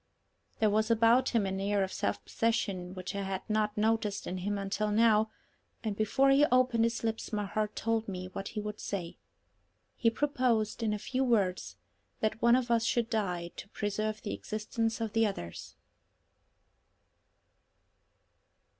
There was about him an air of self possession which I had not noticed in him until now, and before he opened his lips my heart told me what he would say. He proposed, in a few words, that one of us should die to preserve the existence of the others.